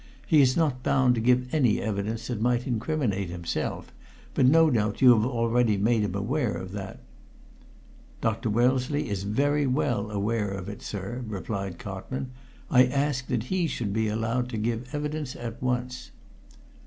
He is not bound to give any evidence that might incriminate himself, but no doubt you have already made him aware of that." "Dr. Wellesley is very well aware of it, sir," replied Cotman. "I ask that he should be allowed to give evidence at once."